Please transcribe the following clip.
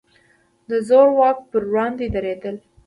د زور واکو پر وړاندې درېدل.